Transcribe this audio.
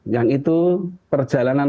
yang itu perjalanan